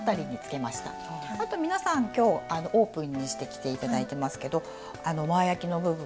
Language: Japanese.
あと皆さん今日オープンにして着て頂いてますけど前あきの部分